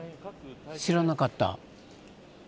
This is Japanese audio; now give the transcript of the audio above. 知らなかった。